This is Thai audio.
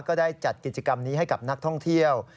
ก็ได้จัดกิจกรรมนี้ให้กับนักท่องเที่ยว